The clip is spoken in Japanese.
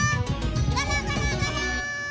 ゴロゴロゴロン。